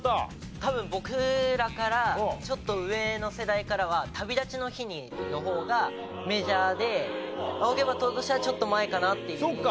多分僕らからちょっと上の世代からは『旅立ちの日に』の方がメジャーで『仰げば尊し』はちょっと前かなっていう印象が。